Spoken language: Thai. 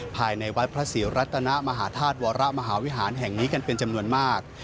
ภายในวัดพระศรีรัตนมหาธาตุวรมหาวิหารแห่งนี้กันเป็นจำนวนมาก